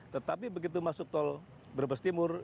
tetapi begitu masuk tol brebes timur